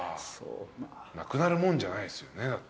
なくなるもんじゃないですよね。